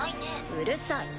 うるさい。